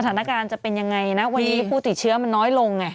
สถานการณ์จะเป็นยังไงนะวันนี้ผู้ติดเชื้อมันน้อยลงไง